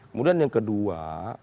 kemudian yang kedua